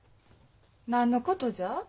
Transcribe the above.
何のことじゃ？